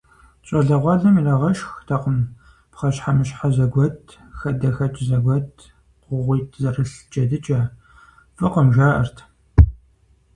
ЩӀалэгъуалэм ирагъэшхтэкъым пхъэщхьэмыщхьэ зэгуэт, хадэхэкӀ зэгуэт, кугъуитӀ зэрылъ джэдыкӀэ, фӀыкъым, жаӀэрт.